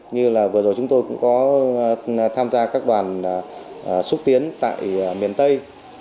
như là vừa rồi chúng tôi cũng có tham gia các đoàn xúc tiến tại miền tây